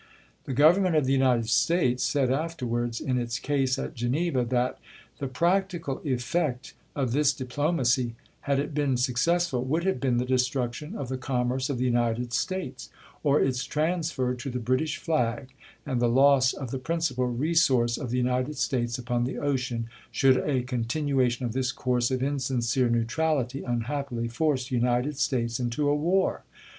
The Government of the United States said afterwards in its case at Geneva that The practical effect of tliis diplomacy, had it been suc cessful, would have been the destruction of the commerce of the United States or its transfer to the British flag, and the loss of the principal resource of the United States upon the ocean should a continuation of this course of insincere neutrality unhappily force the United States into a war.